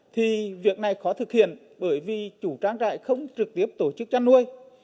thì việc này khó thực hiện bởi vì chủ trang trại không trực tiếp tổ chức chăn nuôi